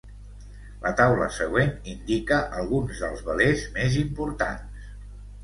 La taula següent indica alguns dels velers més importants.